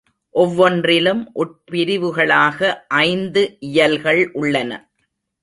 ஒவ்வொன்றிலும் உட்பிரிவுகளாக ஐந்து இயல்கள் உள்ளன.